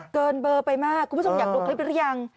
เกินเบอร์ไปมากคุณผู้ชมอยากดูคลิปหรือยัง